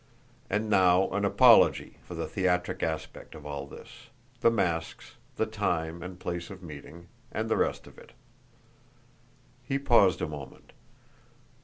And now an apology for the theatric aspect of all this the masks, the time and place of meeting, and the rest of it." He paused a moment.